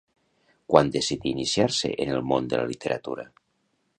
Quan decidí iniciar-se en el món de la literatura?